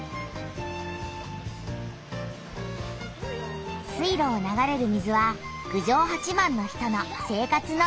水路を流れる水は郡上八幡の人の生活の一部。